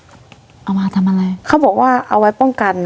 เอามาทำอะไรเขาบอกว่าเอาไว้ป้องกัน